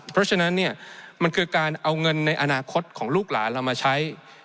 เพราะฉะนั้นเนี่ยมันคือการเอาเงินในอนาคตของลูกหลานเรามาใช้